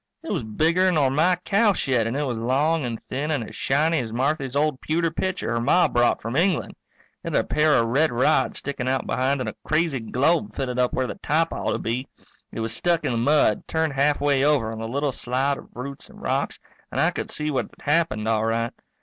It was bigger nor my cowshed and it was long and thin and as shiny as Marthy's old pewter pitcher her Ma brought from England. It had a pair of red rods sticking out behind and a crazy globe fitted up where the top ought to be. It was stuck in the mud, turned halfway over on the little slide of roots and rocks, and I could see what had happened, all right.